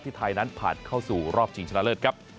ไทยนั้นผ่านเข้าสู่รอบชิงชนะเลิศครับ